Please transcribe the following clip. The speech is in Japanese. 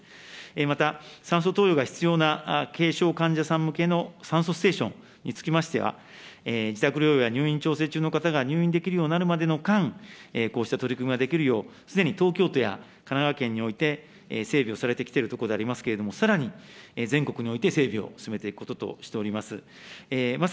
また酸素投与が必要な軽症患者さん向けの酸素ステーションにつきましては、自宅療養や入院調整中の方が入院できるようになるまでの間、こうした取り組みができるよう、すでに東京都や神奈川県において整備をされてきているところでありますけれども、さらに、全国に置いて整備を進めていくこととしております。